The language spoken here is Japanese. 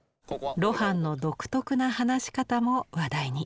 露伴の独特な話し方も話題に。